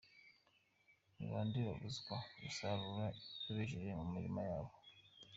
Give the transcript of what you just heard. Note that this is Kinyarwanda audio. – Ni bande babuzwa gusarura ibyo bejeje mu mirima yabo?